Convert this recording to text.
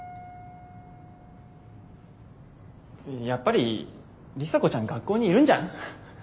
やっぱり里紗子ちゃん学校にいるんじゃん？